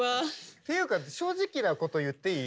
っていうか正直なこと言っていい？